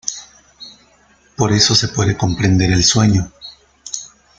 Por eso se puede comprender el sueño.